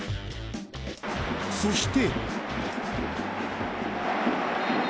そして。